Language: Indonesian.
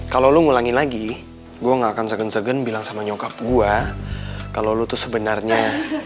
kalau lo ngulangin lagi gue gak akan segan segan bilang sama nyokap gue kalau lo tuh sebenarnya